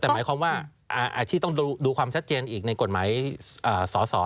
แต่หมายความว่าที่ต้องดูความชัดเจนอีกในกฎหมายสอสอ